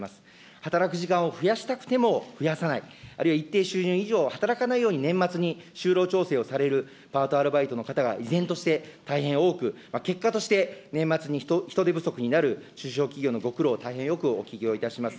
働く時間を増やしたくても増やさない、あるいは一定収入以上働かないよう、年末に就労調整をされるパート・アルバイトの方が依然として大変多く、結果として、年末に人手不足になる中小企業のご苦労、大変よくお聞きをいたします。